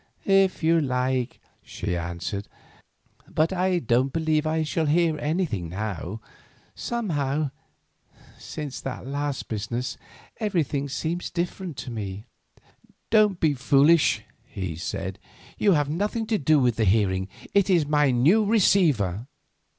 "If you like," she answered; "but I don't believe I shall hear anything now. Somehow—since that last business—everything seems different to me." "Don't be foolish," he said; "you have nothing to do with the hearing; it is my new receiver."